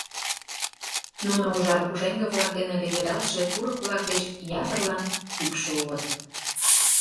Нуно ужар пушеҥге-влак дене леведалтше курык-влак деч ятырлан кӱкшӧ улыт.